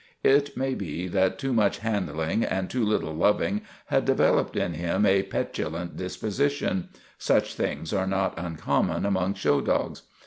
It may be that too much handling and too little loving had developed in him a petulant disposition; such things are not un common among show dogs.